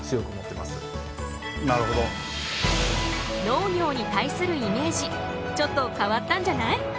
農業に対するイメージちょっと変わったんじゃない？